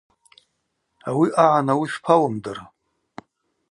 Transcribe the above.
Ауи агӏан ауи шпауымдыр?